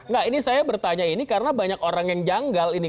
gak ini saya bertanya ini karena banyak orang yang janggal ini